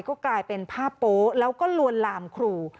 ก็กลายเป็นภาพโป๊ะแล้วก็ลวนลามครู